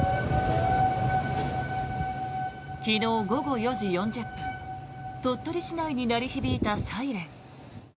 昨日午後４時４０分鳥取市内に鳴り響いたサイレン。